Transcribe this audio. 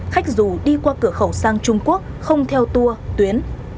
khách dù đi qua cửa khẩu sang trung quốc không theo tour tuyến